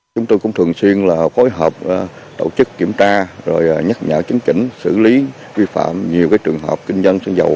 chúng tôi cũng thường xuyên phối hợp tổ chức kiểm tra rồi nhắc nhở chấn chỉnh xử lý vi phạm nhiều trường hợp kinh doanh xăng dầu